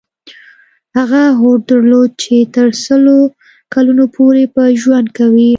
هغه هوډ درلود چې تر سلو کلونو پورې به ژوند کوي.